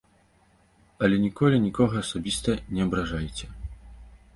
Але ніколі нікога асабіста не абражайце.